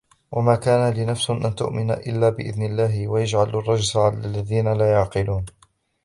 وما كان لنفس أن تؤمن إلا بإذن الله ويجعل الرجس على الذين لا يعقلون